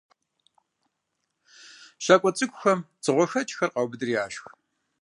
«ЩакӀуэ цӀыкӀухэм» дзыгъуэхэкӀхэр къаубыдри яшх.